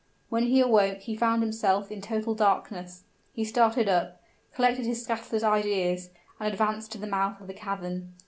When he awoke he found himself in total darkness. He started up, collected his scattered ideas, and advanced to the mouth of the cavern.